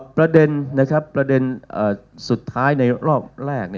ประเด็นสุดท้ายในรอบแรก